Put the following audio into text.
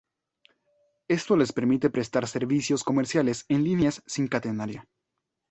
Esto les permite prestar servicios comerciales en líneas sin catenaria.